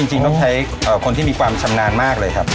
จริงต้องใช้คนที่มีความชำนาญมากเลยครับ